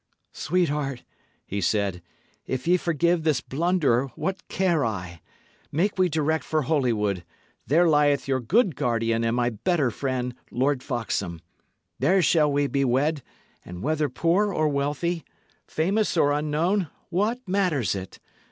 "Sweetheart," he said, "if ye forgive this blunderer, what care I? Make we direct for Holywood; there lieth your good guardian and my better friend, Lord Foxham. There shall we be wed; and whether poor or wealthy, famous or unknown, what, matters it?